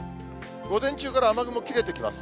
午前中から雨雲切れてきます。